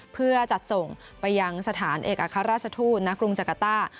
เพื่อจัดส่งไปยังสถานเอกอัครราชทูตณกรุงจักรต้า